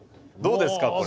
どうですか？